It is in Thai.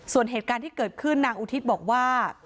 ส่วนเหตุการณ์ที่เกิดขึ้นนางอุทิศบอกว่า